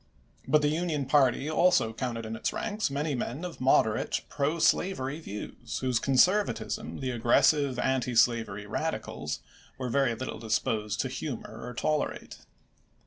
But the Union party also counted in its ranks many men of moderate pro slavery views whose conservatism the aggressive antislavery Radicals were little disposed to humor or tolerate.